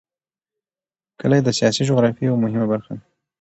کلي د سیاسي جغرافیه یوه مهمه برخه ده.